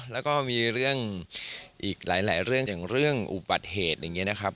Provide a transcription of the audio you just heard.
แล้วก็มีเรื่องอีกหลายเรื่องอย่างเรื่องอุบัติเหตุอย่างนี้นะครับ